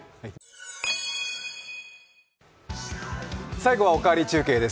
最後は「おかわり中継」です。